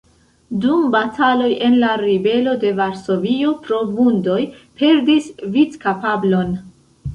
Dum bataloj en la ribelo de Varsovio pro vundoj perdis vidkapablon.